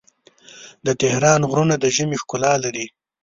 د تهران غرونه د ژمي ښکلا لري.